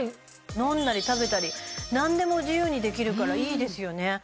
飲んだり食べたり何でも自由にできるからいいですよね。